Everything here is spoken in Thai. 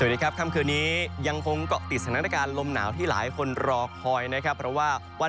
ทุกคนค่ะข้ามคืนนี้ยังคงก็ติดสนัขนักรำนาวที่หลายคนรอคอยนะครับเพราะว่าวัน